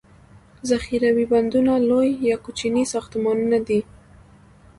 ذخیروي بندونه لوي او یا کوچني ساختمانونه دي.